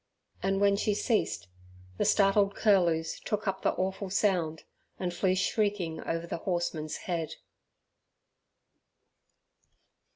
And when she ceased, the startled curlews took up the awful sound, and flew shrieking over the horseman's head.